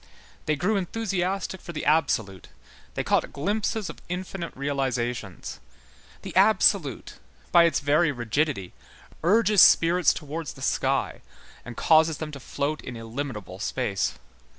They grew enthusiastic for the absolute, they caught glimpses of infinite realizations; the absolute, by its very rigidity, urges spirits towards the sky and causes them to float in illimitable space.